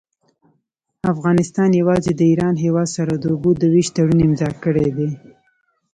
افغانستان يوازي د ايران هيواد سره د اوبو د ويش تړون امضأ کړي دي.